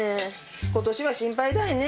今年は心配だよね。